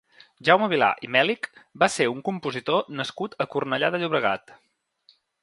Jaume Vilà i Mèlich va ser un compositor nascut a Cornellà de Llobregat.